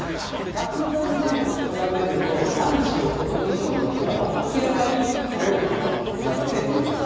１００年前と比べると、３５度以上の日が、もう明らかに多くなっております。